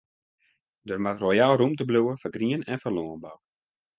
Der moat royaal rûmte bliuwe foar grien en foar lânbou.